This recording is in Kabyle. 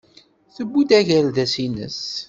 Tewwi-d agerdas-nnes.